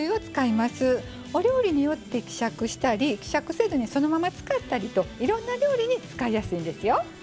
お料理によって希釈したり希釈せずにそのまま使ったりといろんな料理に使いやすいんですよ。